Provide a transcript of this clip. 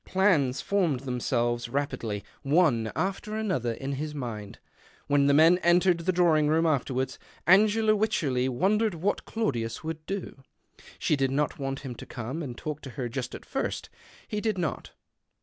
Plans formed themselves apidly, one after another, in his mind. When the men entered the drawing room afterwards, Angela Wycherley wondered what Claudius would do. She did not want him to !ome and talk to her just at first. He did lot.